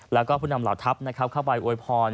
และผู้นำเหล่าทัพเข้าไปโยยพร